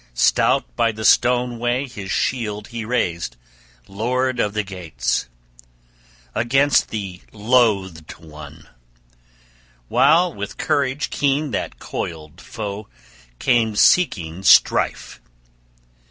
Stout by the stone way his shield he raised, lord of the Geats, against the loathed one; while with courage keen that coiled foe came seeking strife.